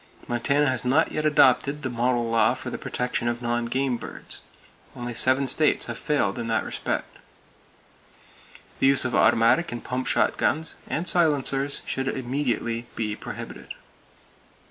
Montana has not yet adopted the model law for the protection of non game birds. Only seven states have failed in that respect. The use of automatic and pump shotguns, and silencers, should immediately be prohibited.